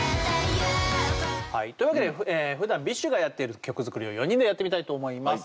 はいというわけでふだんＢｉＳＨがやっている曲作りを４人でやってみたいと思います。